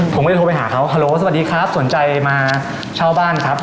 ผมก็เลยโทรไปหาเขาฮาโลสวัสดีครับสนใจมาเช่าบ้านครับ